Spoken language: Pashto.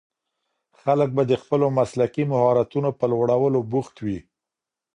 خلګ به د خپلو مسلکي مهارتونو په لوړولو بوخت وي.